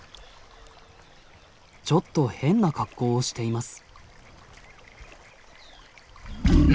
ちょっと変な格好をしています。